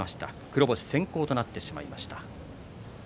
黒星先行となってしまいました。